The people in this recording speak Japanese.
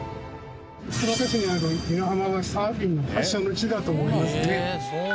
鶴岡市にある湯野浜がサーフィンの発祥の地だともいいますね。